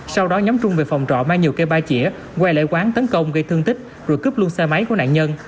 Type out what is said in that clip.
sau đó nhóm trung về phòng trọ mang nhiều cây ba chỉa quay lại quán tấn công gây thương tích rồi cướp luôn xe máy của nạn nhân